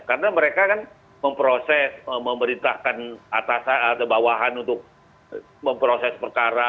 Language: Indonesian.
karena mereka kan memproses memerintahkan atas atau bawahan untuk memproses perkara